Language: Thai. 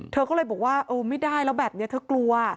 เธอก็เลยบอกว่าเออไม่ได้แล้วแบบนี้เธอกลัว